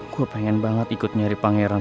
gue pengen banget ikut nyari pangeran